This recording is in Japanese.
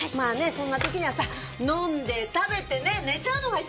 そんな時にはさ飲んで食べてね寝ちゃうのが一番だから。